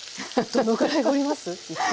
どのくらい堀ります？